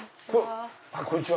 こんにちは。